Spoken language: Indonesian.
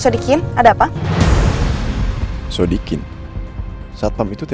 dimana ada paragraphs nya yang indah